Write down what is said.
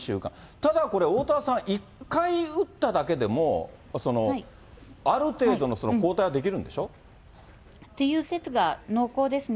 ただこれ、おおたわさん、１回打っただけでもある程度の抗体はできるんでしょう？っていう説が濃厚ですね。